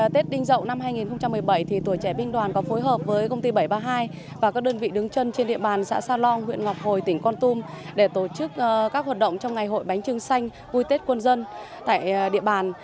tết đinh dậu năm hai nghìn một mươi bảy tuổi trẻ binh đoàn có phối hợp với công ty bảy trăm ba mươi hai và các đơn vị đứng chân trên địa bàn xã sa long huyện ngọc hồi tỉnh con tum để tổ chức các hoạt động trong ngày hội bánh trưng xanh vui tết quân dân tại địa bàn